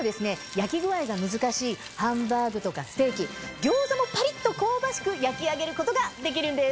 焼き具合が難しいハンバーグとかステーキ餃子もパリっと香ばしく焼き上げることができるんです。